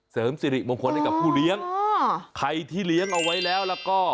เสริมสิริมงคลให้กับผู้เลี้ยงใครที่เลี้ยงเอาไว้แล้วแล้วก็